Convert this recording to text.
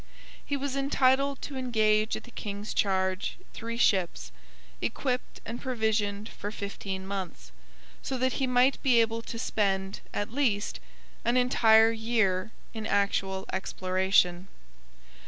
He was entitled to engage at the king's charge three ships, equipped and provisioned for fifteen months, so that he might be able to spend, at least, an entire year in actual exploration.